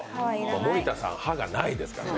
森田さん、歯がないですからね。